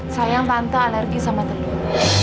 sayang tante alergi sama telur